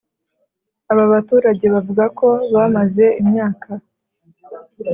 Aba baturage bavuga ko bamaze imyaka